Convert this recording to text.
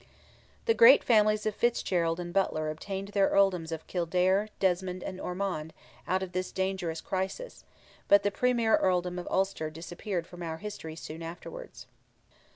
The great families of Fitzgerald and Butler obtained their earldoms of Kildare, Desmond, and Ormond, out of this dangerous crisis, but the premier earldom of Ulster disappeared from our history soon afterwards.